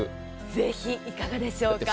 ぜひいかがでしょうか？